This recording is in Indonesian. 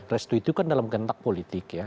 restu itu kan dalam kentak politik ya